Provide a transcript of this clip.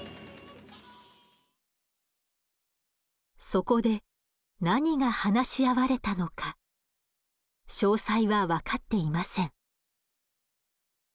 そこで何が話し合われたのか詳細は分かっていません。